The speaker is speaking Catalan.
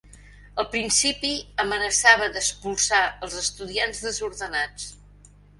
El principi amenaçava d'expulsar els estudiants desordenats.